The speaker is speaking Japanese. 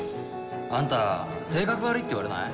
あんた性格悪いって言われない？